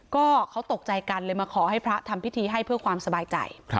ก็เขาตกใจกันเลยมาขอให้พระทำพิธีให้เพื่อความสบายใจ